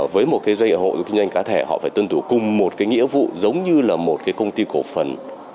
với một doanh nghiệp hộ kinh doanh cá thể họ phải tuân thủ cùng một nghĩa vụ giống như là một công ty cổ phần